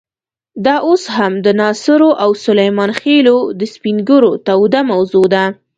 دا اوس هم د ناصرو او سلیمان خېلو د سپین ږیرو توده موضوع ده.